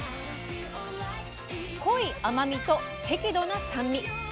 濃い甘みと適度な酸味。